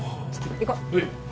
行こう